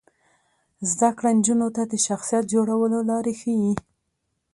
زده کړه نجونو ته د شخصیت جوړولو لارې ښيي.